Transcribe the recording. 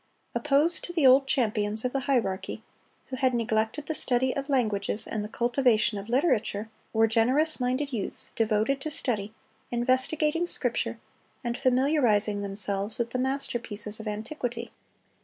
"Opposed to the old champions of the hierarchy, who had neglected the study of languages and the cultivation of literature, ... were generous minded youths, devoted to study, investigating Scripture, and familiarizing themselves with the masterpieces of antiquity.